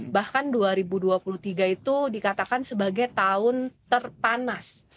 bahkan dua ribu dua puluh tiga itu dikatakan sebagai tahun terpanas